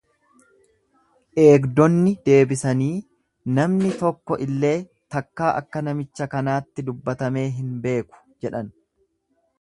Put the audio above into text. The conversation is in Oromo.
Eegdonni deebisanii, Namni tokko illee takkaa akka namicha kanaatti dubbatamee hin beeku jedhan.